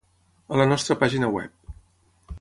A la nostra pàgina web.